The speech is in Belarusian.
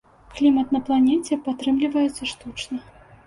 Клімат на планеце падтрымліваецца штучна.